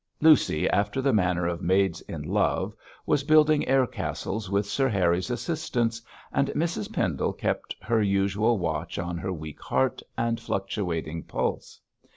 Lucy, after the manner of maids in love, was building air castles with Sir Harry's assistance, and Mrs Pendle kept her usual watch on her weak heart and fluctuating pulse.